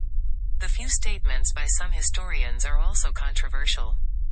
The few statements by some historians are also controversial.